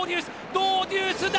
ドウデュースだ！